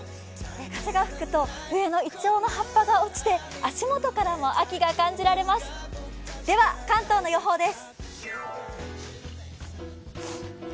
風が吹くと上のいちょうの葉っぱが落ちて足元からも秋が感じられます。